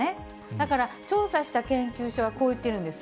だから調査した研究所はこう言ってるんです。